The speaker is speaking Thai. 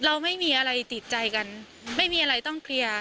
เราไม่มีอะไรติดใจกันไม่มีอะไรต้องเคลียร์